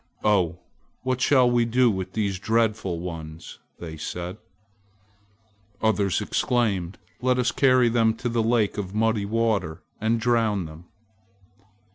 "Oh, what shall we do with these dreadful ones?" they said. Others exclaimed: "Let us carry them to the lake of muddy water and drown them!"